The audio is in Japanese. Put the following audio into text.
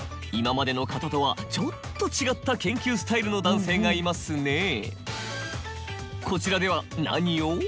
今までの方とはちょっと違った研究スタイルの男性がいますね。